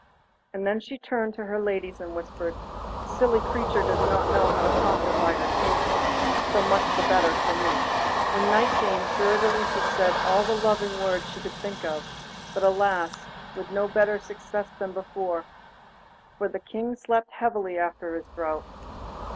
And then she turned to her ladies and whispered 'The silly creature does not know how to profit by her chances; so much the better for me.' When night came Fiordelisa said all the loving words she could think of, but alas! with no better success than before, for the King slept heavily after his draught.